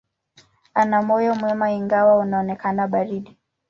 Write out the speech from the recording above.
Ana moyo mwema, ingawa unaonekana baridi.